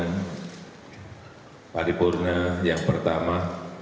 pada pagi purna yang pertama